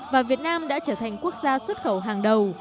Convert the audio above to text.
và việt nam đã trở thành quốc gia xuất khẩu hàng đầu